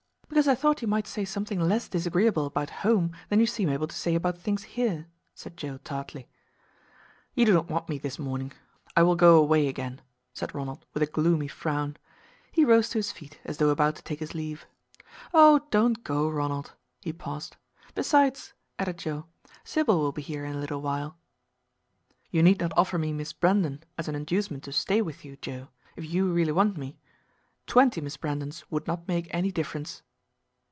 "Because I thought you might say something less disagreeable about home than you seem able to say about things here," said Joe tartly. "You do not want me this morning. I will go away again," said Ronald with a gloomy frown. He rose to his feet, as though about to take his leave. "Oh, don't go, Ronald." He paused. "Besides," added Joe, "Sybil will be here in a little while." "You need not offer me Miss Brandon as an inducement to stay with you, Joe, if you really want me. Twenty Miss Brandons would not make any difference!"